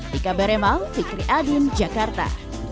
dika beremang fikri adin jakarta